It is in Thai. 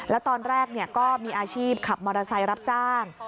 แล้วตอนแรกก็มีอาชีพขับมอเตอร์ไซค์รับจ้าง